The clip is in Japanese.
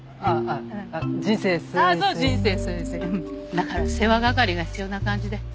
だから世話係が必要な感じで。